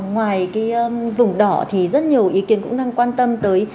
ngoài cái vùng đỏ thì rất nhiều ý kiến cũng đang quan tâm tới